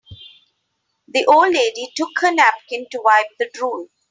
The old lady took her napkin to wipe the drool.